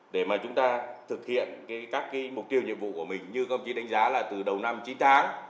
để mà chúng ta thực hiện các mục tiêu nhiệm vụ của mình như các ông chí đánh giá là từ đầu năm chín tháng